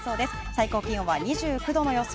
最高気温は２９度の予想。